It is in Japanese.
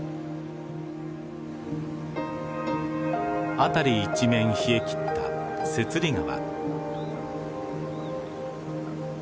辺り一面冷えきった雪裡川。